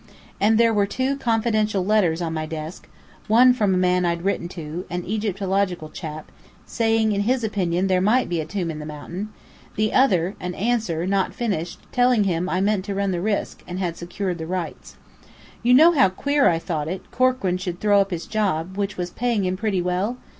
And there were two confidential letters on my desk: one from a man I'd written to, an Egyptologist chap, saying in his opinion there might be a tomb in the mountain; the other, an answer, not finished, telling him I meant to run the risk, and had secured the rights. You know how queer I thought it, Corkran should throw up his job, which was paying him pretty well?